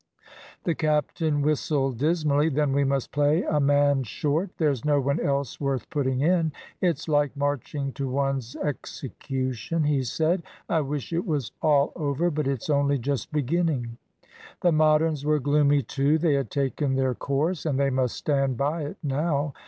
The captain whistled dismally. "Then we must play a man short. There's no one else worth putting in. It's like marching to one's execution," he said; "I wish it was all over. But it's only just beginning." The Moderns were gloomy too. They had taken their course, and they must stand by it now.